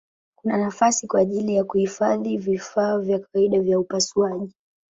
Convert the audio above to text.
Kuna nafasi kwa ajili ya kuhifadhi vifaa vya kawaida vya upasuaji.